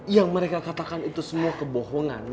yang mereka katakan itu semua kebohongan